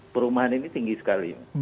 perumahan ini tinggi sekali